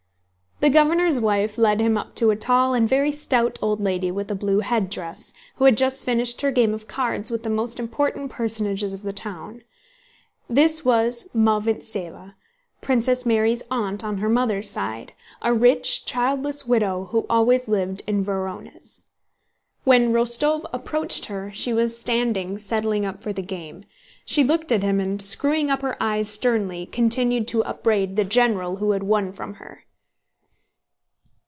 The governor's wife led him up to a tall and very stout old lady with a blue headdress, who had just finished her game of cards with the most important personages of the town. This was Malvíntseva, Princess Mary's aunt on her mother's side, a rich, childless widow who always lived in Vorónezh. When Rostóv approached her she was standing settling up for the game. She looked at him and, screwing up her eyes sternly, continued to upbraid the general who had won from her.